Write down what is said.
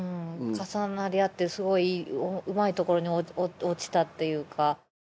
重なり合ってすごくうまいところに落ちたっていうか。